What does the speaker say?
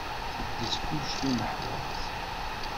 Teddez kullec s umehraz